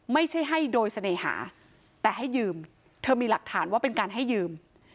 ไม่ใช่ให้โดยเสน่หาแต่ให้ยืมเธอมีหลักฐานว่าเป็นการให้ยืม